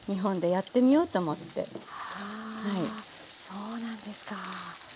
そうなんですか。